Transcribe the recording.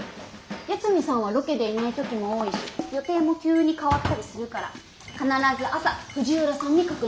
八海さんはロケでいない時も多いし予定も急に変わったりするから必ず朝藤浦さんに確認すること。